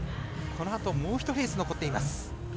このあともうひとレース残っています。